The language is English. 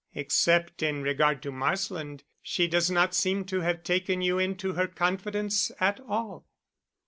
"Except in regard to Marsland she does not seem to have taken you into her confidence at all."